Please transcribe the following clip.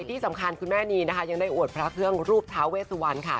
ที่สำคัญคุณแม่นีนะคะยังได้อวดพระเครื่องรูปท้าเวสวันค่ะ